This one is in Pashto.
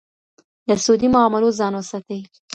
له سودي معاملو ځان وساتئ.